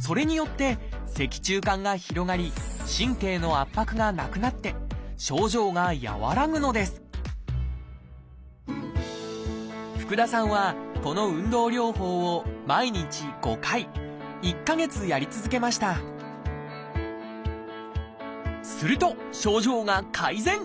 それによって脊柱管が広がり神経の圧迫がなくなって症状が和らぐのです福田さんはこの運動療法を毎日５回１か月やり続けましたすると症状が改善！